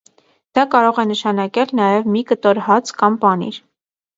Դա կարող է նշանակել նաև մի կտոր հաց կամ պանիր։